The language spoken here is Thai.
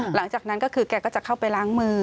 หลังจากนั้นก็คือแกก็จะเข้าไปล้างมือ